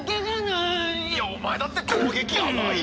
いやお前だって攻撃甘いよ！